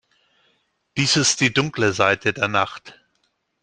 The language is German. Dies ist die dunkle Seite der Nacht.